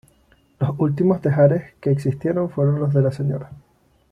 Los últimos tejares que existieron fueron los de la Sra.